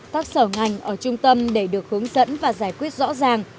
các sở ngành ở trung tâm để được hướng dẫn và giải quyết rõ ràng